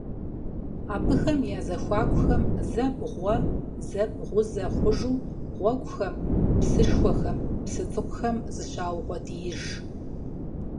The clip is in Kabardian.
Абыхэм я зэхуакухэм зэ бгъуэ, зэ бгъузэ хъужу гъуэгухэм, псышхуэхэм, псы цӀыкӀухэм зыщаукъуэдииж.